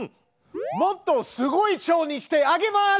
もっとすごいチョウにしてあげます！